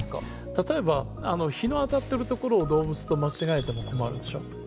例えば日の当たってる所を動物と間違えても困るでしょ。